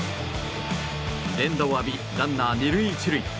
連打を浴び、ランナー２塁１塁。